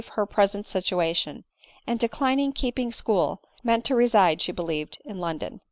her present situation, and, declining keeping school, meant to reside, she believed, in London.